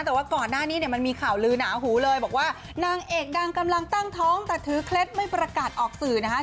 แต่ว่าก่อนหน้านี้เนี่ยมันมีข่าวลือหนาหูเลยบอกว่านางเอกดังกำลังตั้งท้องแต่ถือเคล็ดไม่ประกาศออกสื่อนะคะ